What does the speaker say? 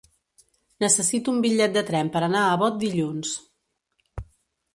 Necessito un bitllet de tren per anar a Bot dilluns.